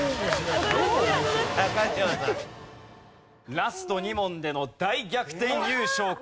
ラスト２問での大逆転優勝か。